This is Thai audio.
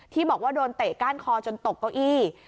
ที่บอกว่าโดนเตะก้านคอจนตกเก้าอี้